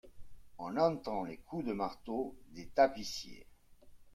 On entend les coups de marteaux des tapissiers.